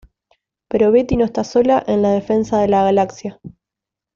Pero Betty no está sola en la defensa de la galaxia.